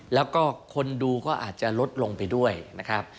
แล้วก็คนดูก็อาจจะลดลงไปด้วยนะครับ